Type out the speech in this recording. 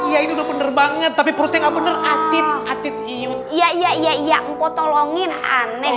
ya ini bener banget tapi perutnya nggak bener atin atin iut iya iya iya iya mpok tolongin aneh